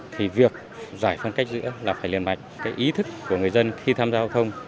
thì việc giải phân cách giữa là phải liền mạch cái ý thức của người dân khi tham gia giao thông